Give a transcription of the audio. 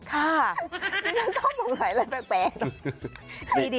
ค่ะมันชอบห่วงไหล่แปลก